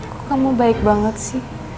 kok kamu baik banget sih